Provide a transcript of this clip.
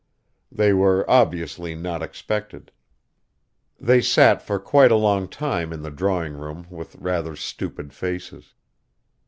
They were obviously not expected. They sat for quite a long time in the drawing room with rather stupid faces.